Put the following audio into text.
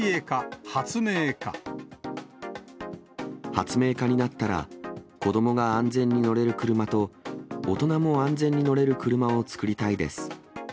発明家になったら、子どもが安全に乗れる車と、大人も安全に乗れる車を作りたいです。